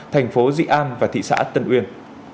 thành phố dị an và thị xã tân uyên